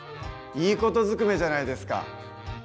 いい事ずくめじゃないですか！